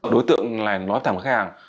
đối tượng này nói thẳng khang